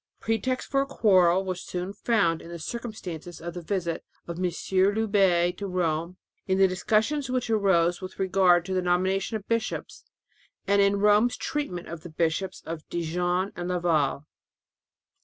Pretexts for a quarrel were soon found in the circumstances of the visit of M. Loubet to Rome; in the discussions which arose with regard to the nomination of bishops, and in Rome's treatment of the bishops of Dijon and Laval.